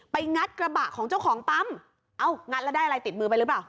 งัดกระบะของเจ้าของปั๊มเอ้างัดแล้วได้อะไรติดมือไปหรือเปล่า